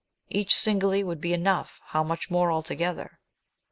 Each singly would be enough, how much more altogether